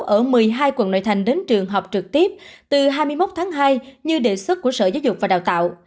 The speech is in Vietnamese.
ở một mươi hai quận nội thành đến trường họp trực tiếp từ hai mươi một tháng hai như đề xuất của sở giáo dục và đào tạo